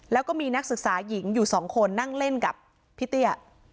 แล้วก็มีนักศึกษาหญิงอยู่สองคนนั่งเล่นกับพี่เตี้ย